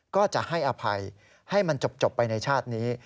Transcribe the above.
ก็จะให้อภัยให้มันจบไปในชาตินี้